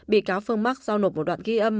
bị cáo phương mắc giao nộp một đoạn ghi âm